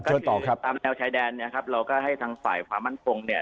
เจ้าต่อครับตามแนวชายแดนนะครับเราก็ให้ทางฝ่ายฝ่ามันตรงเนี่ย